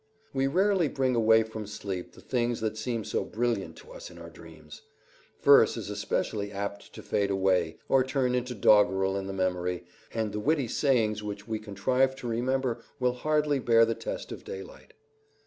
We rarely bring away from sleep the things that seem so brilliant to us in our dreams. Verse is especially apt to fade away, or turn into doggerel in the memory, and the witty sayings which we contrive to remember will hardly bear the test of daylight.